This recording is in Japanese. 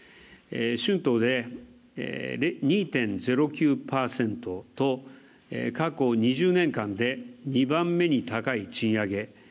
春闘で２．０９％と過去２０年間で２番目に高い賃上げ。